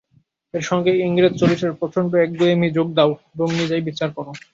এর সঙ্গে ইংরেজ চরিত্রের প্রচণ্ড একগুঁয়েমি যোগ দাও এবং নিজেই বিচার কর।